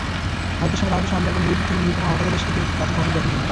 ভারতের সঙ্গে বাংলাদেশের সম্পর্ক নিবিড় থেকে নিবিড়তম হওয়াটাকে বেশ ইতিবাচকভাবেই দেখেন তিনি।